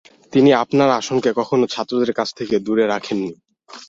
তিনি আপনার আসনকে কখনো ছাত্রদের কাছ থেকে দূরে রাখেন নি।